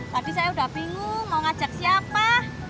tadi saya udah bingung mau ngajak siapa